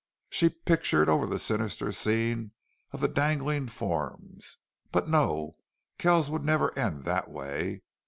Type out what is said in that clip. She pictured over that sinister scene of the dangling forms; but no Kells would never end that way.